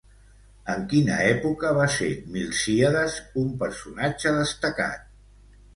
En quina època va ser Milcíades un personatge destacat?